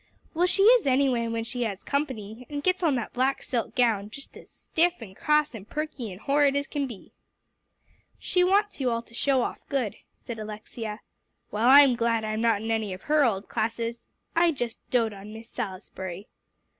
"Well, she is anyway when she has company, and gets on that black silk gown; just as stiff and cross and perky and horrid as can be." "She wants you all to show off good," said Alexia. "Well, I'm glad enough I'm not in any of her old classes. I just dote on Miss Salisbury."